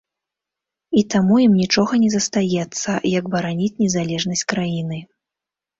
І таму ім нічога не застаецца, як бараніць незалежнасць краіны.